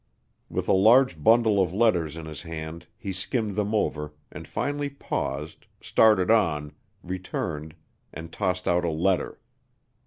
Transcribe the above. With a large bundle of letters in his hand he skimmed them over and finally paused, started on, returned, and tossed out a letter.